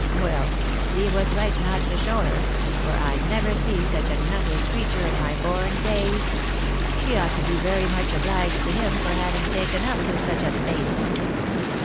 Well, he was right not to show her, for I never see such an ugly creetur in my born days. She ought to be very much obliged to him for having taken up with such a face."